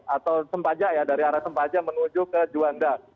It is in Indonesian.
atau sempaja ya dari arah sempaja menuju ke juanda